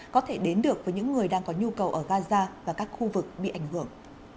có thể đến được với những người đang có nhu cầu ở gaza và các khu vực bị ảnh hưởng